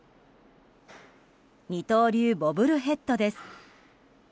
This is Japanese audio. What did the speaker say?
二刀流ボブルヘッドです。